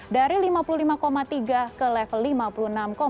dari lima puluh lima tiga ke level lima puluh enam tujuh